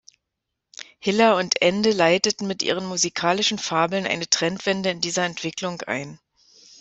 Hiller und Ende leiteten mit ihren musikalischen Fabeln eine Trendwende in dieser Entwicklung ein.